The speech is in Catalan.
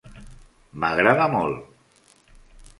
M'agrada molt.